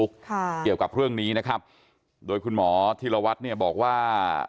ค่ะเกี่ยวกับเรื่องนี้นะครับโดยคุณหมอธีรวัตรเนี่ยบอกว่า